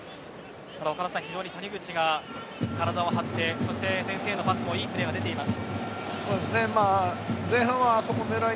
岡田さん、非常に谷口が体を張ってそして前線へのパスといいプレーが出ています。